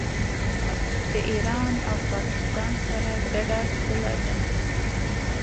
د ایران او پاکستان سره ګډه پوله ده.